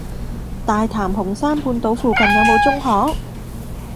大潭紅山半島附近有無中學？